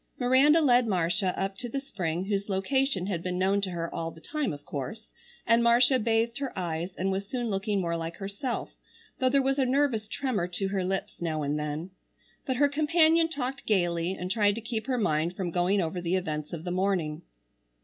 Miranda led Marcia up to the spring whose location had been known to her all the time of course, and Marcia bathed her eyes and was soon looking more like herself, though there was a nervous tremor to her lips now and then. But her companion talked gaily, and tried to keep her mind from going over the events of the morning.